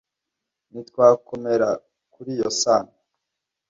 ntitwakomera kuri iyo sano,